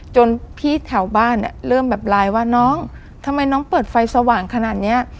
จนพี่แถวบ้านเนี่ยเริ่มแบบไลน์ว่าน้องทำไมน้องเปิดไฟสว่างขนาดเนี้ย